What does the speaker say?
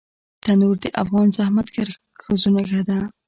تنور د افغان زحمتکښ ښځو نښه ده